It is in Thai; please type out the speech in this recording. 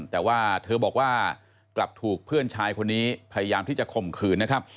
แต่ว่าเธอบอกว่ากลับถูกเพื่อนชายคนนี้พยายามที่จะข่มขืนนะครับ